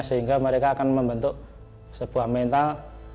sehingga mereka akan membentuk sebuah mental